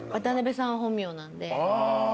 渡辺さん本名なんで。